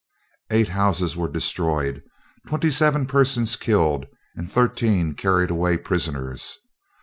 Eight houses were destroyed, twenty seven persons killed, and thirteen carried away prisoners.